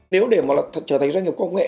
nếu để mà trở thành doanh nghiệp công nghệ